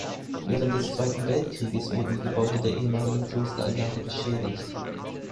Während des Zweiten Weltkrieges wurden die Gebäude der ehemaligen Klosteranlage beschädigt.